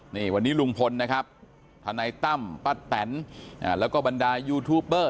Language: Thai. นี่วันนี้ลุงพลนะครับทนายตั้มป้าแตนแล้วก็บรรดายูทูปเปอร์